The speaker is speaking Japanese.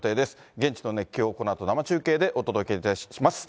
現地の熱狂を、このあと生中継でお届けいたします。